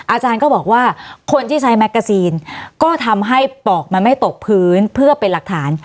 อาจารย์ก็บอกว่าคนที่ใช้แกซีนก็ทำให้ปอกมันไม่ตกพื้นเพื่อเป็นหลักฐาน